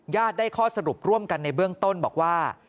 ได้ข้อสรุปร่วมกันในเบื้องต้นบอกว่า